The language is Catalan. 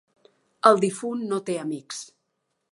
El difunt no té amics.